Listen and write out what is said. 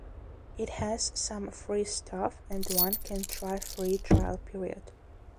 It has some free stuff and one can try free trial period.